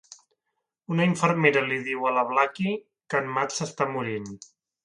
Una infermera li diu a la Blackie que en Mat s'està morint.